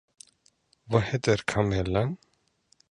Vad heter kamelen?